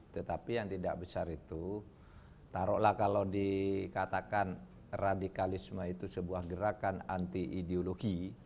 tetapi yang tidak besar itu taruhlah kalau dikatakan radikalisme itu sebuah gerakan anti ideologi